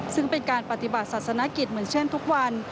ซึ่งเป็นการปฏิบัติศาสนกิจเหมือนเช่นทุกวัน